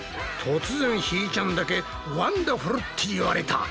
突然ひーちゃんだけワンダフルって言われた。